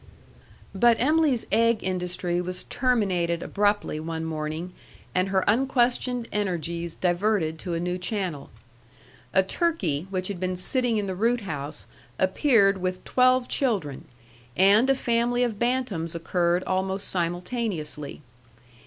But Em'ly's egg industry was terminated abruptly one morning, and her unquestioned energies diverted to a new channel. A turkey which had been sitting in the root house appeared with twelve children, and a family of bantams occurred almost simultaneously.